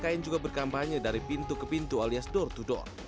bkn juga berkampanye dari pintu ke pintu alias door to door